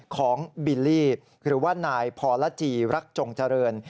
บิลลี่หรือว่านายพรจีรักจงเจริญ